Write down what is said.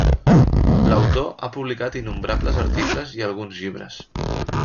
L'autor ha publicat innombrables articles i alguns llibres.